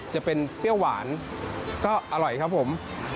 จะเป็นเปรี้ยวหวานก็อร่อยครับผม